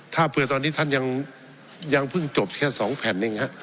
ถ้าเผื่อตอนนี้ท่านยังเพิ่งจบแค่๒แผ่นเองฮะ